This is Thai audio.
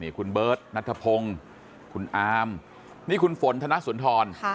คุณเบิร์ตนัทพงศ์คุณอามนี่คุณฝนธนสุนทร